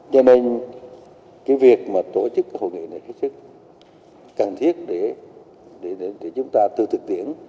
cho nên việc tổ chức hội nghị này rất cần thiết để chúng ta tự thực tiễn